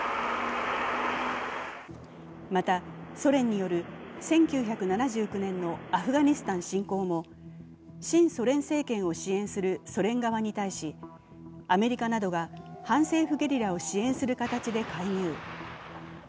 また、ソ連による１９７９年のアフガニスタン侵攻も親ソ連政権を支援するソ連側に対し、アメリカなどが反政府ゲリラを支援する形で介入。